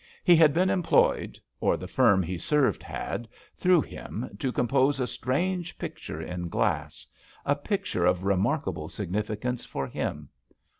He had been em ployed, or the firm he served had, through him, to compose a strange picture in glass — a picture of remarkable significance for him.